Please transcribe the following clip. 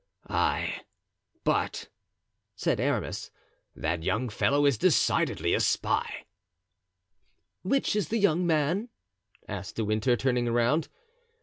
"Ay, but," said Aramis, "that young fellow is decidedly a spy." "Which is the young man?" asked De Winter, turning around.